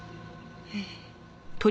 ええ。